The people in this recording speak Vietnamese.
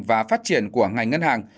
và phát triển của ngành ngân hàng